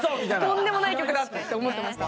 とんでもない曲だって思ってました。